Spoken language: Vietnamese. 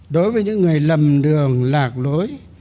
đối với những người lầm đường lạc lối